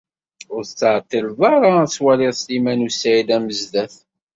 Ur tettɛeṭṭileḍ ara ad twaliḍ Sliman u Saɛid Amezdat.